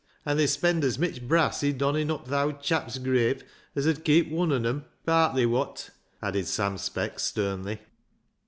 An' they spend as mitch brass i' donning up th' owd chap's grave as 'ud keep wun on 'em — partly w^ot," added Sam Speck sternly.